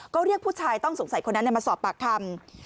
ก็เรียกผู้ชายต้องสงสัยคนนั้นมาสอบปากคำ